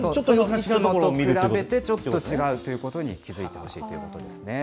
いつもに比べてちょっと違うということに気付いてほしいということですね。